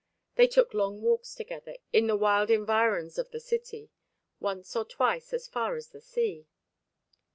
They took long walks together in the wild environs of the city, once or twice as far as the sea.